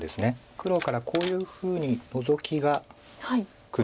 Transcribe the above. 黒からこういうふうにノゾキがくる。